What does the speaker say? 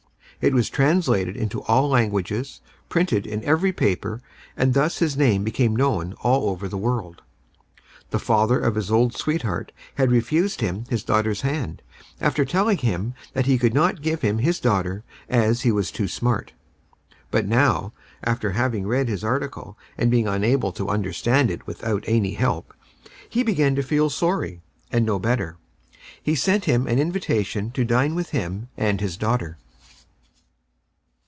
It was translated into all languages, printed in every paper, and thus his name became known all over the world. The father of his old sweetheart had refused him his daughter's hand, after telling him that he could not give him his daughter, as he was too smart. But now, after having read this article and being unable to understand it without any help, he began to feel sorry and know better. He sent him an invitation to dine with him and his daughter.